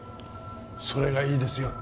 それがいいですよ。